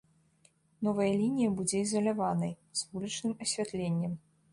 Новая лінія будзе ізаляванай, з вулічным асвятленнем.